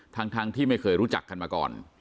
ทั้งที่ไม่เคยรู้จักกันมาก่อน